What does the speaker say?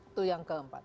itu yang keempat